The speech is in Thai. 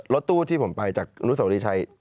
รถตู้ที่ผมไปจากอนุสวรีชัย